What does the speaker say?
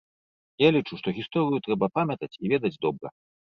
Я лічу, што гісторыю трэба памятаць і ведаць добра.